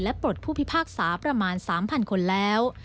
ปลดผู้พิพากษาประมาณ๓๐๐คนแล้ว